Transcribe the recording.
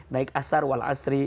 naik asar wa al asri